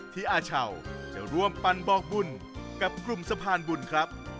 อาเชาจะร่วมปั่นบอกบุญกับกลุ่มสะพานบุญครับ